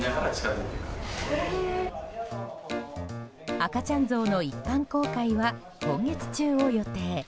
赤ちゃんゾウの一般公開は今月中を予定。